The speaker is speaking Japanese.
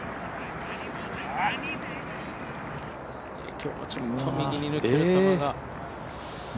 今日はちょっと右に抜ける球が。